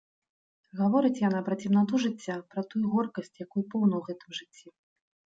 Гаворыць яна пра цемнату жыцця, пра тую горкасць, якой поўна ў гэтым жыцці.